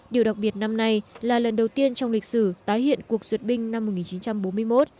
điều đặc biệt năm nay là lần đầu tiên trong lịch sử tái hiện cuộc duyệt binh năm một nghìn chín trăm bốn mươi một